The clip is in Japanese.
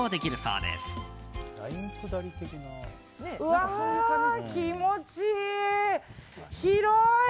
うわ、気持ちいい！